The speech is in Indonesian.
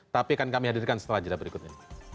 tapi akan kami hadirkan setelah jadwal berikutnya